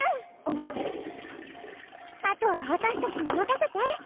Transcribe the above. あとは私たちに任せて。